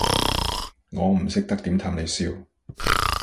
我唔識得點氹你笑